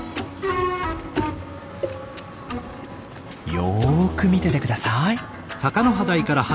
よく見ててください。